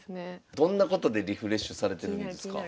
どんなことでリフレッシュされてるんですか？